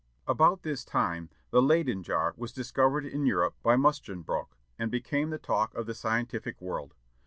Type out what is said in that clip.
About this time, the Leyden jar was discovered in Europe by Musschenbroeck, and became the talk of the scientific world.